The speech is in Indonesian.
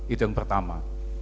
itu yang pertama